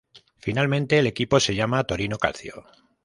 Finalmente el equipo se llama Torino Calcio.